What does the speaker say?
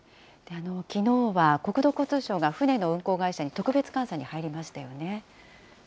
きのうは国土交通省が船の運航会社に特別監査に入りましたよ